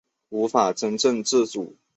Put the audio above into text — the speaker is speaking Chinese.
无法真正自主